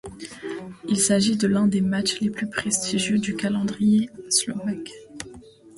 Il s'agit de l'un des matchs les plus prestigieux du calendrier slovaque.